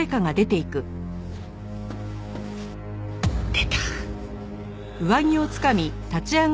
出た！